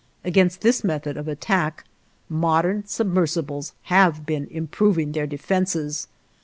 Against this method of attack, modern submersibles have been improving their defenses.